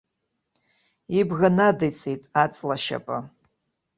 Ибӷа надиҵеит аҵла ашьапы.